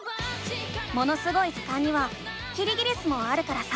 「ものすごい図鑑」にはキリギリスもあるからさ